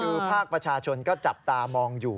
คือภาคประชาชนก็จับตามองอยู่